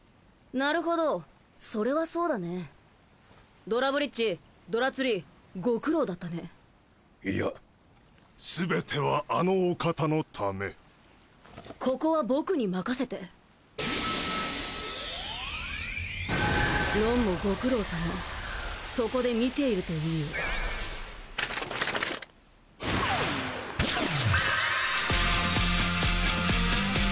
なるほどそれはそうだねドラブリッジドラツリーご苦労だったねいやすべてはあのお方のためここは僕に任せてロンもご苦労さまそこで見ているといいよ